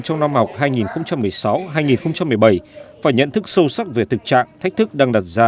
trong năm học hai nghìn một mươi sáu hai nghìn một mươi bảy phải nhận thức sâu sắc về thực trạng thách thức đang đặt ra